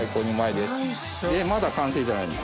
でまだ完成じゃないんです。